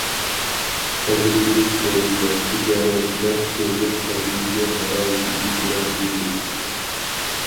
تەجرىبىلىك سودىگەر، تىجارەتچىلەر سۆزلەش سەنئىتىگە ناھايىتى ئېتىبار بېرىدۇ.